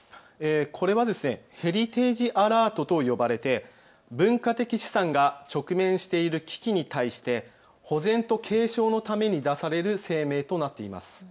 これはヘリテージアラートと呼ばれて文化的資産が直面している危機に対して保全と継承のために出される声明となっています。